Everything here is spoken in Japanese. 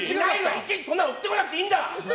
いちいちそんなの送ってこなくていいんだわ！